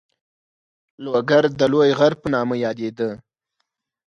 لوګر د لوی غر په نامه یادېده.